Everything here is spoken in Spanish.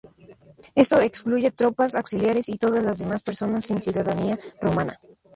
Esto excluye tropas auxiliares y todas las demás personas sin ciudadanía romana.